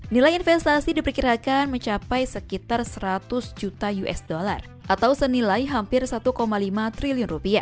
nilai investasi diperkirakan mencapai sekitar seratus juta usd atau senilai hampir rp satu lima triliun